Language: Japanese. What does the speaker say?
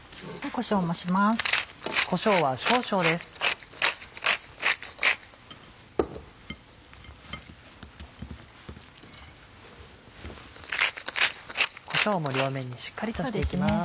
こしょうも両面にしっかりとして行きます。